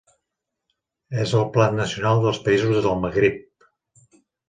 És el plat nacional dels països del Magrib.